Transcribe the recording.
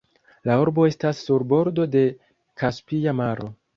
La urbo estas sur bordo de Kaspia Maro.